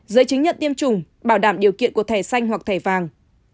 giấy chứng nhận tiêm chủng bảo đảm điều kiện của thẻ xanh hoặc thẻ vàng